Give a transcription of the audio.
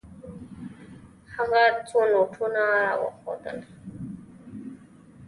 هغه څو نوټونه راوښودل.